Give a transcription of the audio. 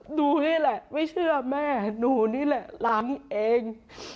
หนูนี่แหละไม่เชื่อแม่หนูนี่แหละล้างเอง